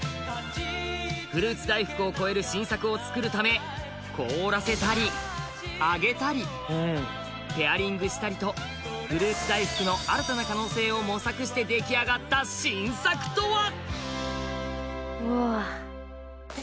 フルーツ大福を超える新作をつくるため凍らせたり揚げたりペアリングしたりとフルーツ大福の新たな可能性を模索して出来上がった新作とは！？